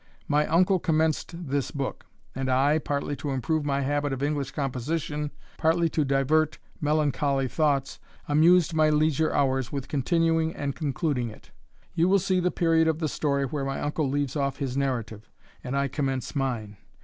My uncle commenced this book; and I, partly to improve my habit of English composition, partly to divert melancholy thoughts, amused my leisure hours with continuing and concluding it. You will see the period of the story where my uncle leaves off his narrative, and I commence mine.